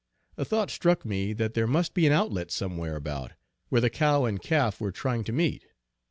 A thought struck me that there must be an outlet somewhere about, where the cow and calf were trying to meet.